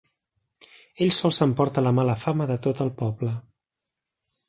Ell sol s'emporta la mala fama de tot el poble.